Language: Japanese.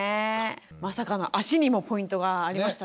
まさかの「足」にもポイントがありましたね。